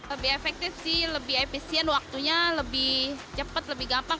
lebih efektif sih lebih efisien waktunya lebih cepat lebih gampang